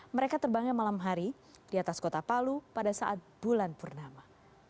mereka terbangnya malam hari di atas kota palu pada saat bulan purnama